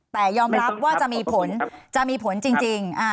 แต่ยอมรับว่าจะมีผลจริง